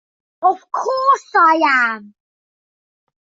Of course I am!